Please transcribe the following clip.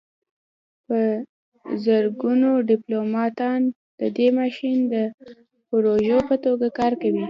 په زرګونو ډیپلوماتان د دې ماشین د پرزو په توګه کار کوي